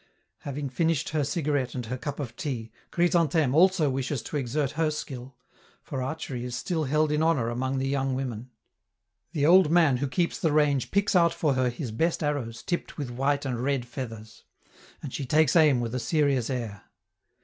Having finished her cigarette and her cup of tea, Chrysantheme also wishes to exert her skill; for archery is still held in honor among the young women. The old man who keeps the range picks out for her his best arrows tipped with white and red feathers and she takes aim with a serious air.